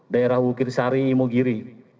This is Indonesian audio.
daerah bukit sari imogiri